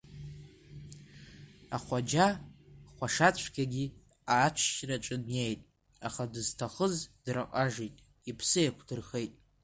Ахәаџьа хәашацәгьагьы аҽшьраҿы днеит, аха дызҭахыз дырҟажеит, иԥсы еиқәдырхеит.